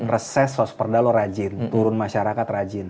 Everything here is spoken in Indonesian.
reses sosperda lu rajin turun masyarakat rajin